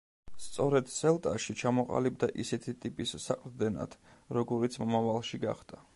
სწორედ სელტაში ჩამოყალიბდა ისეთი ტიპის საყრდენად, როგორიც მომავალში გახდა.